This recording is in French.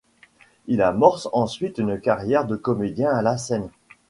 Il amorce ensuite une carrière de comédien à la scène.